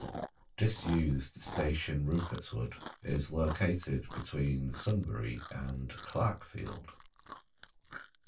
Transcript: Disused station Rupertswood is located between Sunbury and Clarkefield.